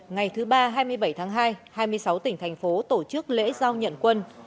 ngày thứ ba hai mươi bảy tháng hai hai mươi sáu tỉnh thành phố tổ chức lễ giao nhận quân